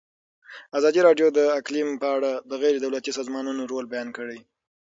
ازادي راډیو د اقلیم په اړه د غیر دولتي سازمانونو رول بیان کړی.